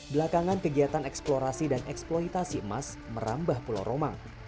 belakangan kegiatan eksplorasi dan eksploitasi emas merambah pulau romang